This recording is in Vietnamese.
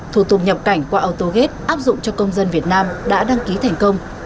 thủ tục nhập cảnh qua autogate áp dụng cho công dân việt nam đã đăng ký thành công